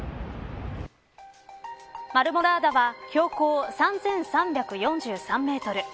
マルモラーダは標高３３４３メートル。